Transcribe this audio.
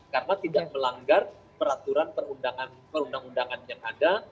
karena tidak melanggar peraturan perundangan perundang undangan yang ada